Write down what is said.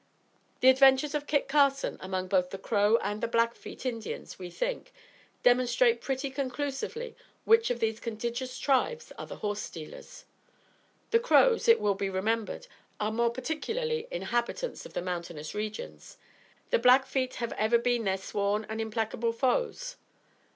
The adventures of Kit Carson among both the Crow and the Blackfeet Indians, we think, demonstrate pretty conclusively which of these contiguous tribes are the horse stealers. The Crows, it will be remembered, are more particularly inhabitants of the mountainous regions. The Blackfeet have ever been their sworn and implacable foes.